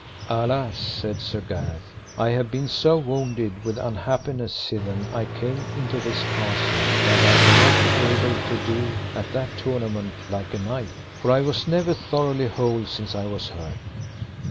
Alas, said Sir Gareth, I have been so wounded with unhappiness sithen I came into this castle that I shall not be able to do at that tournament like a knight; for I was never thoroughly whole since I was hurt.